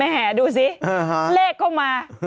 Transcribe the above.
แหม่ดูสิเลขเข้ามา